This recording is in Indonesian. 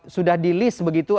sudah di list begitu